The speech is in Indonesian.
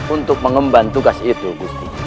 untuk mengemban tugas itu